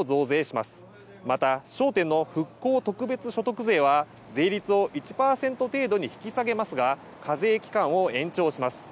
また、焦点の復興特別所得税は税率を１％程度に引き下げますが課税期間を延長します。